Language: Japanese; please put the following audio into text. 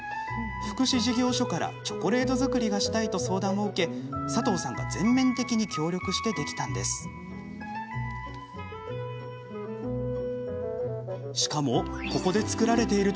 福祉事業所からチョコレート作りがしたいと相談を受け佐藤さんが全面的に協力してできたんです。